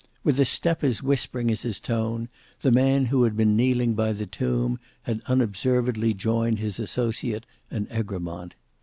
With a step as whispering as his tone, the man who had been kneeling by the tomb, had unobserved joined his associate and Egremont.